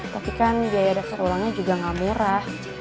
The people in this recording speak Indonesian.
tapi kan biaya daktar ulangnya juga gak murah